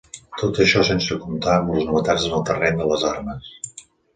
Tot això sense comptar amb les novetats en el terreny de les armes.